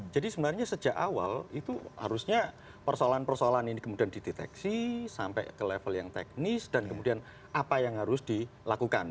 jadi sebenarnya sejak awal itu harusnya persoalan persoalan ini kemudian dideteksi sampai ke level yang teknis dan kemudian apa yang harus dilakukan